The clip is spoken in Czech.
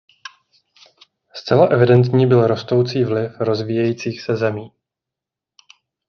Zcela evidentní byl rostoucí vliv rozvíjejících se zemí.